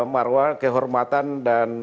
marwah kehormatan dan